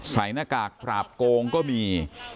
หน้ากากปราบโกงก็มี